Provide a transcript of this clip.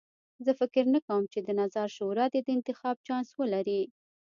زه فکر نه کوم چې د نظار شورا دې د انتخاب چانس ولري.